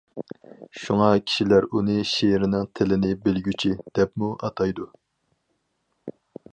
شۇڭا كىشىلەر ئۇنى‹‹ شىرنىڭ تىلىنى بىلگۈچى›› دەپمۇ ئاتايدۇ.